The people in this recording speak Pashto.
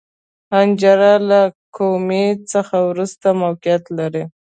حنجره له کومي څخه وروسته موقعیت لري.